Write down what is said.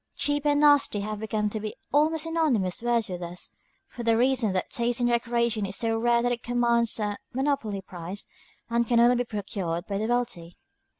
"Cheap" and "nasty" have come to be almost synonymous words with us, for the reason that taste in decoration is so rare that it commands a monopoly price, and can only be procured by the wealthy.